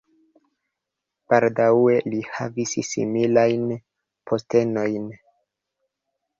Baldaŭe li havis similajn postenojn.